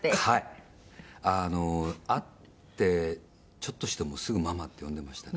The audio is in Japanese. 谷村：会って、ちょっとしてすぐママって呼んでましたね。